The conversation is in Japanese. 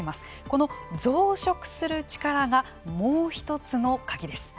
この増殖する力がもう一つの鍵です。